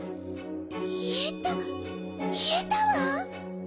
いえたいえたわ！